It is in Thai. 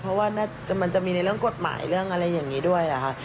เพราะว่ามันจะมีในเรื่องกฎหมายเรื่องอะไรอย่างนี้ด้วยเหรอคะ